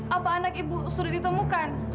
apa anak ibu sudah ditemukan